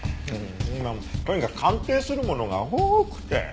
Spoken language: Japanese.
とにかく鑑定するものが多くて。